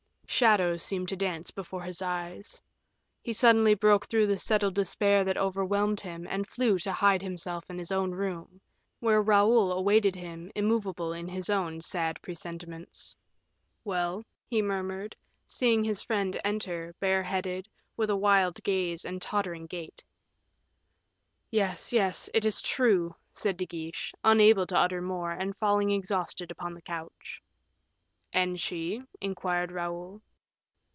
Shadows seemed to dance before his eyes. He suddenly broke through the settled despair that overwhelmed him, and flew to hide himself in his own room, where Raoul awaited him, immovable in his own sad presentiments. "Well?" he murmured, seeing his friend enter, bareheaded, with a wild gaze and tottering gait. "Yes, yes, it is true," said De Guiche, unable to utter more, and falling exhausted upon the couch. "And she?" inquired Raoul.